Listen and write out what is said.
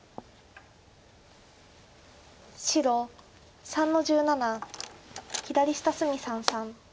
白３の十七左下隅三々。